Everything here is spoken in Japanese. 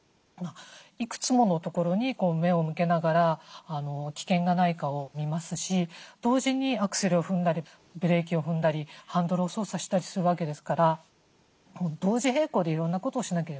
いくつものところに目を向けながら危険がないかを見ますし同時にアクセルを踏んだりブレーキを踏んだりハンドルを操作したりするわけですから同時並行でいろんなことをしなければいけない。